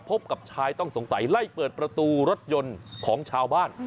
พบกับชายต้องสงสัยไล่เปิดประตูรถยนต์ของชาวบ้าน